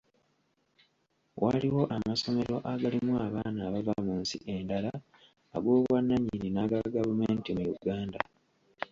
Waliwo amasomero agalimu abaana abava mu nsi endala, ag'obwannanyini n'aga gavumenti mu Uganda.